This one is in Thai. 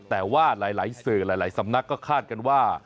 แต่ว่าหลายสื่อหลายสำนักก็คาดกันว่า